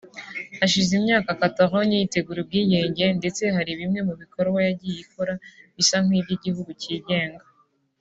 Hashize imyaka Catalogne yitegura ubwigenge ndetse hari bimwe mu bikorwa yagiye ikora bisa nk’iby’igihugu cyigenga